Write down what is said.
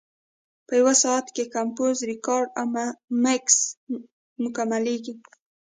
په یو ساعت کې کمپوز، ریکارډ او مکس مکملېږي.